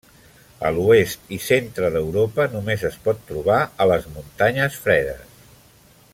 A l'Oest i Centre d'Europa només es pot trobar a les muntanyes fredes.